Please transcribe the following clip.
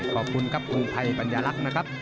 ขอบคุณครับครูภัยปัญญาลักษณ์นะครับ